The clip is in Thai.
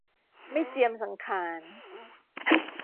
ไม่เจียมสังขาร